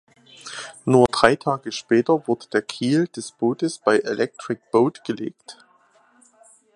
Nur drei Tage später wurde der Kiel des Bootes bei Electric Boat gelegt.